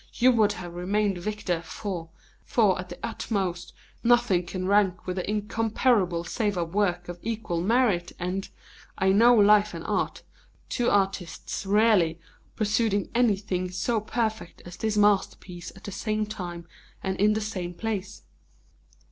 you would have remained victor; for, at the utmost, nothing can rank with the incomparable save a work of equal merit, and I know life and art two artists rarely or never succeed in producing anything so perfect as this masterpiece at the same time and in the same place."